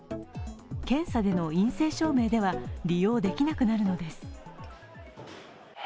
検査での陰性証明では利用できなくなるのです。